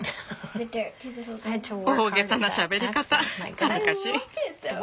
大げさなしゃべり方恥ずかしい。